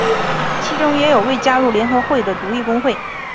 其中也有未加入联合会的独立工会。